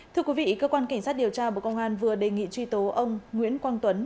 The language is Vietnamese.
thưa quý vị cơ quan cảnh sát điều tra bộ công an vừa đề nghị truy tố ông nguyễn quang tuấn